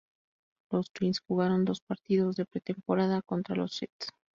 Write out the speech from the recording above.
Los Twins jugaron dos partidos de pretemporada contra los St.